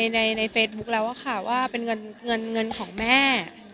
ก็อธิบายไปในเฟสบุ๊คแล้วค่ะว่าเป็นเงินของแม่